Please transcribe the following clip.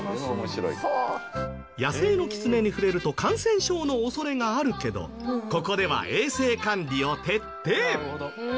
野生のキツネに触れると感染症の恐れがあるけどここでは衛生管理を徹底。